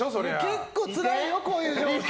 結構つらいよ、こういう状況。